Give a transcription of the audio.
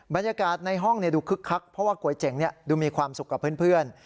บรรยากาศในห้องดูคึกคักเพราะว่าก๋วยเจ๋งดูมีความสุขกับเพื่อน